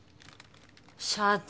社長